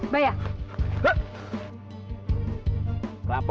makasih dieser hai